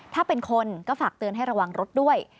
ถ้าเป็นคนก็ฝากเตือนให้ระวังรถด้วย